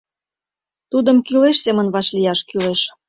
Тудым кӱлеш семын вашлияш кӱлеш!